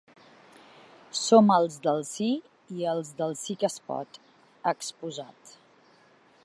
Som els del sí i els del sí que es pot, ha exposat.